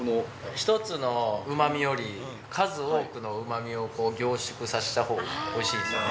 １粒のうまみより、数多くのうまみを凝縮させたほうがおいしいんですよね。